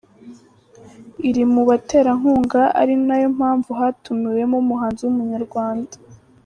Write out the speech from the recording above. iri mu baterankunga ari na yo mpamvu hatumiwemo umuhanzi w’Umunyarwanda.